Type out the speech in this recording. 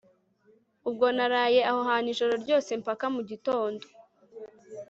ubwo naraye aho hantu ijoro ryose mpaka mugitondo